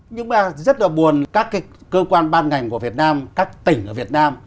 nhưng mà rất là buồn các cái cơ quan ban ngành của việt nam các tỉnh ở việt nam